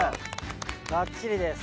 バッチリです。